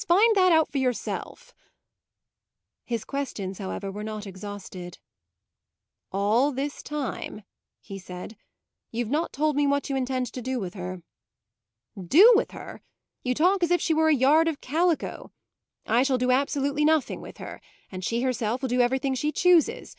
Find that out for yourself." His questions, however, were not exhausted. "All this time," he said, "you've not told me what you intend to do with her." "Do with her? You talk as if she were a yard of calico. I shall do absolutely nothing with her, and she herself will do everything she chooses.